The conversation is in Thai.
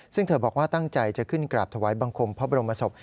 ซึ่งเธอบอกว่าตั้งใจจะขึ้นกราบถวายบังคมพระบรมศพ